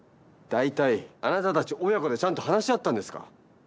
大体あなたたち親子でちゃんと話し合ったんですか？